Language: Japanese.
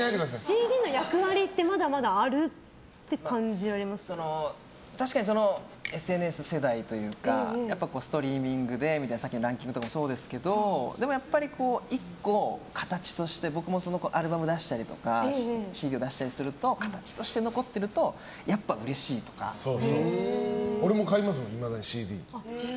ＣＤの役割ってまだまだあるっていう確かにＳＮＳ世代というかストリーミングでとかさっきのランキングとかもそうですけどでも、やっぱり１個、形として僕もアルバムを出したりとかＣＤを出したりすると形として残ってると俺も買います、いまだにＣＤ。